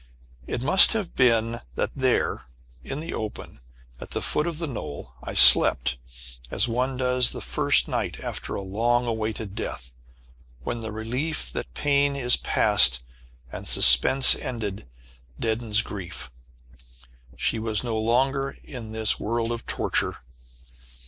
It must have been that there, in the open, at the foot of the knoll, I slept, as one does the first night after a long awaited death, when the relief that pain is passed, and suspense ended, deadens grief. She was no longer in this world of torture.